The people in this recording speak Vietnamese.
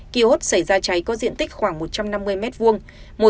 ký hốt xảy ra cháy có diện tích khoảng một trăm năm mươi m hai